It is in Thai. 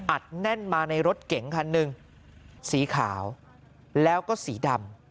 แน่นมาในรถเก๋งคันหนึ่งสีขาวแล้วก็สีดำ